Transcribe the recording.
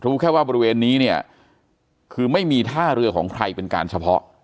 แค่ว่าบริเวณนี้เนี่ยคือไม่มีท่าเรือของใครเป็นการเฉพาะ